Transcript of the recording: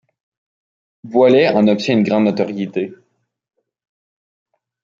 Boilet en obtient une grande notoriété.